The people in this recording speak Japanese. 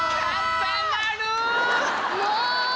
もう！